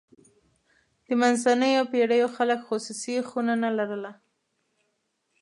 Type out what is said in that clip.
د منځنیو پېړیو خلک خصوصي خونه نه لرله.